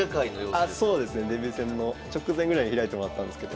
あそうですね。デビュー戦の直前ぐらいに開いてもらったんですけど。